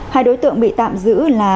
hai đối tượng bị tạm giữ là